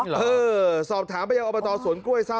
หรอหรอเออสอบถามประเยี่ยมอับประตอสวนกล้วยซ่า